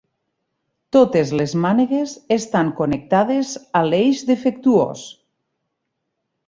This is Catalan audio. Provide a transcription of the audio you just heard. Totes les mànegues estan connectades a l'eix defectuós.